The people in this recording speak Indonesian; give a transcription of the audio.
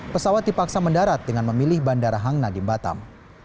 pesawat dipaksa mendarat dengan memilih bandara hang nadim batam